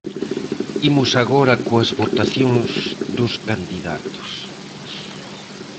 Imos agora coas votacións dos candidatos.